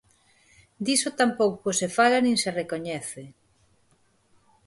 Diso tampouco se fala nin se recoñece.